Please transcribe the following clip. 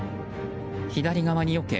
左側によけ